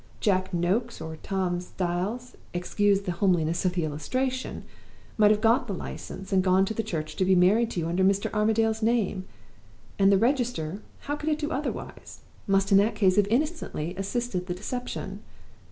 Jack Nokes or Tom Styles (excuse the homeliness of the illustration!) might have got the license, and gone to the church to be married to you under Mr. Armadale's name; and the register (how could it do otherwise?) must in that case have innocently assisted the deception.